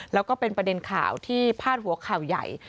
แล้วก็เป็นประเด็นข่าวที่พาดหัวข่าวใหญ่